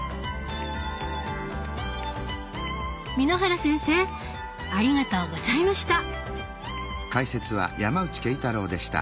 簑原先生ありがとうございました！